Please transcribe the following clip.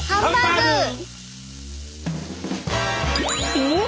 おっ⁉